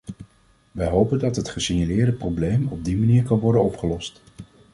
Wij hopen dat het gesignaleerde probleem op die manier kan worden opgelost.